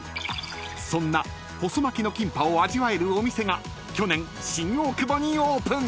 ［そんな細巻きのキンパを味わえるお店が去年新大久保にオープン］